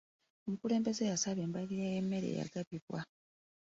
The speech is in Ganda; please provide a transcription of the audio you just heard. Omukulembeze yasaba embalirira y'emmere eyagabibwa.